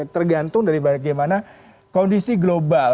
tergantung dari bagaimana kondisi global